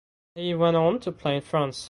He went on to play in France.